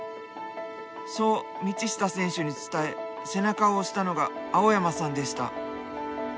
そう道下選手に伝え背中を押したのが青山さんでした。